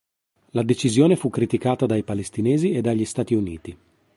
La decisione fu criticata dai palestinesi e dagli Stati Uniti.